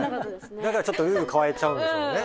だからルール変えちゃうんでしょうね。